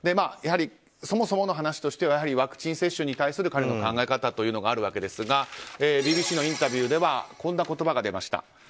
やはり、そもそもの話としてはワクチン接種に対する彼の考え方があるわけですがＢＢＣのインタビューではこんな言葉が出ました。